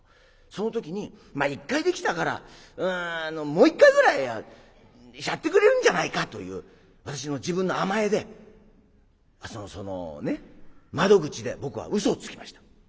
その時にまあ１回できたからもう一回ぐらいやってくれるんじゃないかという私の自分の甘えで窓口で僕は嘘をつきました。